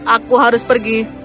aku harus pergi